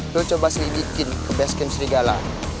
lu coba serigikin ke basecamp serigala